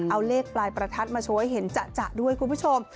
เอาเลขปลายประทัดมาโชว์ให้เห็นจะด้วยคุณผู้ชม